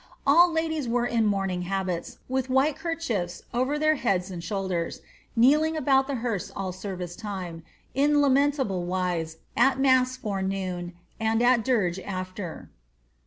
All ladies were in mourning habits, with white kor chiefs over their heads and shoulders, kneeling about the hearse all service time, in lamentable wise, at mass forenoon, and at dirige after.''